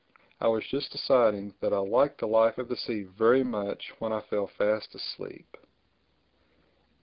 I was just deciding that I liked the life of the sea very much when I fell fast asleep.